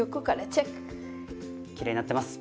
きれいになってます。